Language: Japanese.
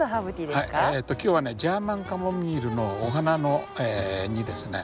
今日はジャーマンカモミールのお花にですね